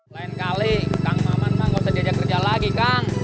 lain kali kang maman kang nggak usah diajak kerja lagi kang